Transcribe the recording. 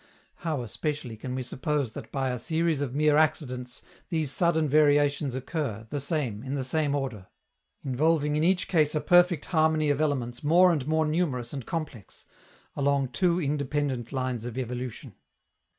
How, especially, can we suppose that by a series of mere "accidents" these sudden variations occur, the same, in the same order, involving in each case a perfect harmony of elements more and more numerous and complex along two independent lines of evolution?